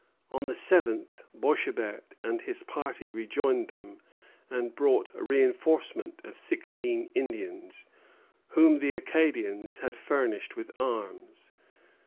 On the 7th, Boishébert and his party rejoined them, and brought a reinforcement of sixteen Indians, whom the Acadians had furnished with arms.